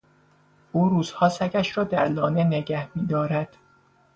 او روزها سگش را در لانه نگه میدارد.